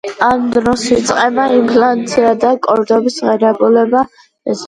ამ დროს იწყება ინფლაცია და კორდობის ღირებულება ეცემა.